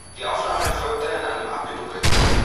Die Aufnahme erfolgt dann in einem abgedunkelten Raum.